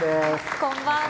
こんばんは。